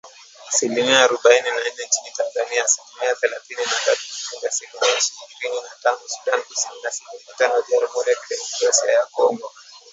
Asilimia arobaini na nane nchini Tanzania, asilimia thelathini na tatu Burundi ,asilimia ishirini na tano Sudan Kusini na asilimia tano Jamuhuri ya Kidemokrasia ya Kongo